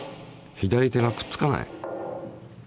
左手がくっつかない。